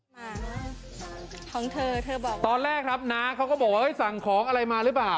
มาของเธอเธอบอกตอนแรกครับน้าเขาก็บอกว่าสั่งของอะไรมาหรือเปล่า